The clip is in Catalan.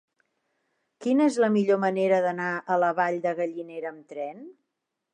Quina és la millor manera d'anar a la Vall de Gallinera amb tren?